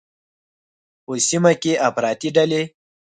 په سیمه کې افراطي ډلې